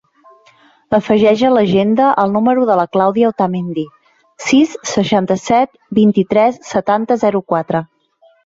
Afegeix a l'agenda el número de la Clàudia Otamendi: sis, seixanta-set, vint-i-tres, setanta, zero, quatre.